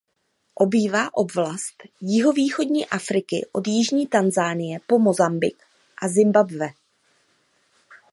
Obývá oblast jihovýchodní Afriky od jižní Tanzanie po Mosambik a Zimbabwe.